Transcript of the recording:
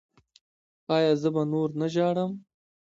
ایا زه به نور نه ژاړم؟